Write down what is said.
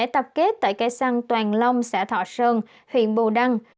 tập kết tại cây xăng toàn long xã thọ sơn huyện bù đăng